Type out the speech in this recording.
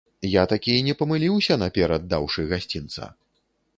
Я такі не памыліўся, наперад даўшы гасцінца.